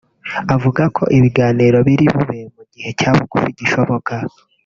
avuga ko ibiganiro biri bube “mu gihe cya bugufi gishoboka”